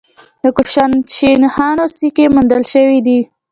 د کوشانشاهانو سکې موندل شوي دي